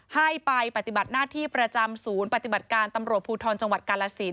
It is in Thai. ให้ไปปฏิบัติหน้าที่ประจำศูนย์ปฏิบัติการตำรวจภูทรจังหวัดกาลสิน